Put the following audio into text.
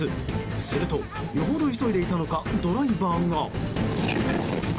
すると、よほど急いでいたのかドライバーが。